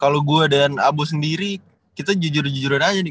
kalau gue dan abu sendiri kita jujur jujuran aja nih